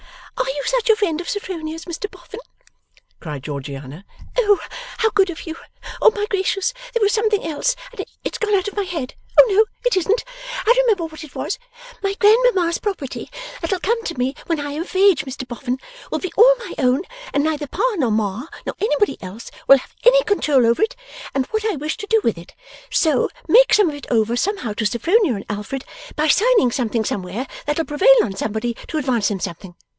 are you such a friend of Sophronia's, Mr Boffin?' cried Georgiana. 'Oh, how good of you! Oh, my gracious! there was something else, and it's gone out of my head! Oh no, it isn't, I remember what it was. My grandmamma's property, that'll come to me when I am of age, Mr Boffin, will be all my own, and neither Pa nor Ma nor anybody else will have any control over it, and what I wish to do it so make some of it over somehow to Sophronia and Alfred, by signing something somewhere that'll prevail on somebody to advance them something.